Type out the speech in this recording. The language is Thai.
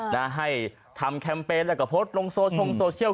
และให้ทำแคมเปญและโพสต์ทางโซเชียล